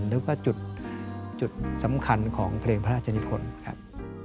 หรือว่าจุดสำคัญของเพลงพระราชนิพลครับ